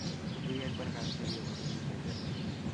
দুই এক বার কাকতালীয়ভাবে মিলে যাবে।